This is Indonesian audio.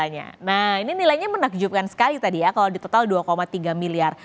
nah ini nilainya menakjubkan sekali tadi ya kalau di total dua tiga miliar